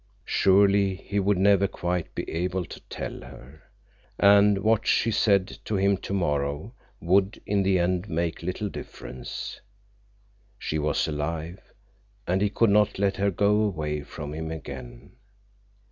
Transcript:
Surely he would never quite be able to tell her. And what she said to him tomorrow would, in the end, make little difference. She was alive, and he could not let her go away from him again.